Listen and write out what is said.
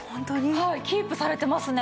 はいキープされてますね。